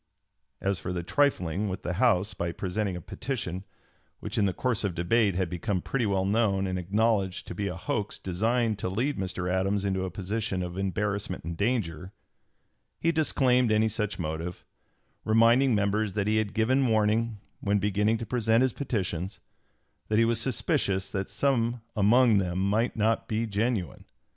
As for trifling with the House by presenting a petition which in the course of debate had become pretty well known and acknowledged to be a hoax designed to lead Mr. Adams into a position of embarrassment and danger, he disclaimed any such motive, reminding members that he had given warning, when beginning to present his petitions, that he was suspicious that some among them might not be genuine.